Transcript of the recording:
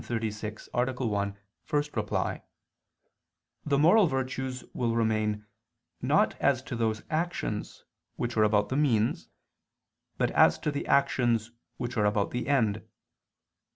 1, ad 1), the moral virtues will remain not as to those actions which are about the means, but as to the actions which are about the end.